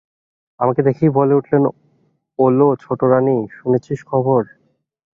আমাকে দেখেই বলে উঠলেন, ওলো ছোটোরানী, শুনেছিস খবর?